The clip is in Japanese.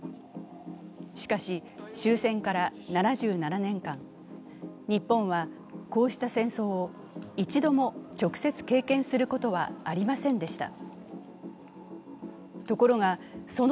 しかし、終戦から７７年間日本はこうした戦争を一度も直接経験することはありませんでした。